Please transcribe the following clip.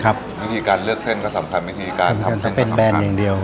ครับวิธีการเลือกเส้นก็สำคัญวิธีการทำเส้นก็สำคัญเป็นแบรนด์อย่างเดียว